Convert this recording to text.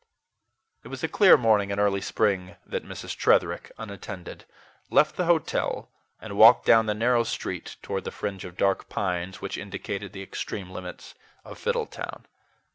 It was a clear morning in early spring that Mrs. Tretherick, unattended, left the hotel, and walked down the narrow street toward the fringe of dark pines which indicated the extreme limits of Fiddletown.